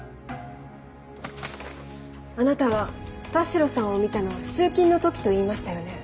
あなたは田代さんを見たのは集金の時と言いましたよね？